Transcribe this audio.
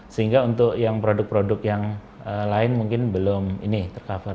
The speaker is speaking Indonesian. sehingga untuk yang produk produk yang lain mungkin belum ini tercover